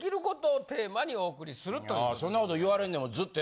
そんなこと言われんでも。